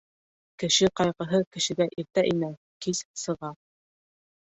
Кеше ҡайғыһы кешегә иртә инә, кис сыға.